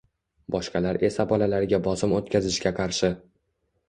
boshqalar esa bolalarga bosim o‘tkazishga qarshi